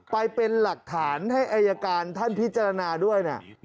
ไปเป็นหลักฐานให้อายการท่านพิจารณาด้วยนะ